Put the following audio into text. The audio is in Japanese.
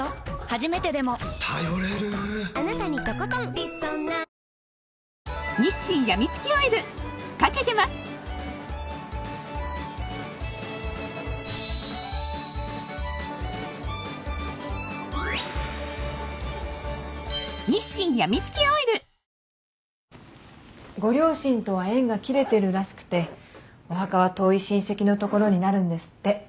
いいじゃないだってご両親とは縁が切れてるらしくてお墓は遠い親戚の所になるんですって。